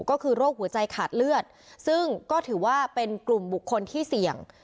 ก็คือโรคหัวใจขาดเลือดซึ่งก็ถือว่าเป็นกลุ่มบุคคลที่เสี่ยง